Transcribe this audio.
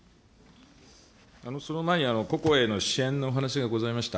その前にここへの支援の話がございました。